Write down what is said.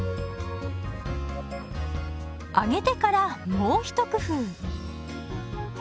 揚げてからもう一工夫。